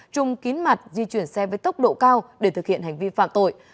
trùng kín mặt di chuyển xe với tốc độ cao để thực hiện hành vi phạm tội